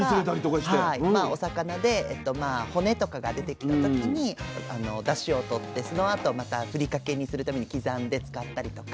お魚で骨とかが出てきた時にだしを取ってそのあとまた振りかけにするために刻んで使ったりとか。